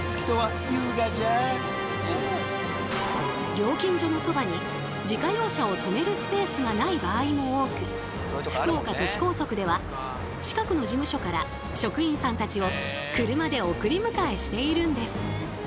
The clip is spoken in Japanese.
料金所のそばに自家用車を止めるスペースがない場合も多く福岡都市高速では近くの事務所から職員さんたちを車で送り迎えしているんです。